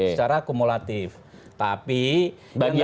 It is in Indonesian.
secara misi misi program sekarang tambah citra diri